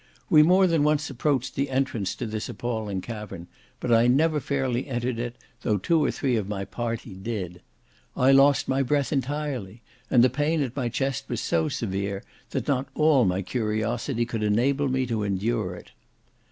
We more than once approached the entrance to this appalling cavern, but I never fairly entered it, though two or three of my party did. I lost my breath entirely; and the pain at my chest was so severe, that not all my curiosity could enable me to endure it.